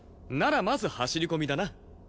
ならまず走り込みだな。